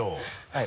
はい。